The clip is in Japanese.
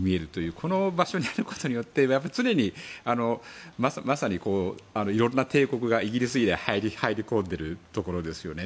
この場所にあることによって常にいろんな帝国がイギリス以来入り込んでいるところですよね。